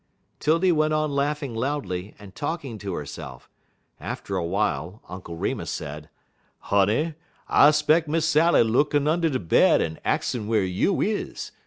'Tildy went on laughing loudly and talking to herself. After awhile Uncle Remus said: "Honey, I 'speck Miss Sally lookin' und' de bed en axin' whar you is.